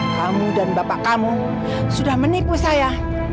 kamu dan bapak kamu sudah menipu saya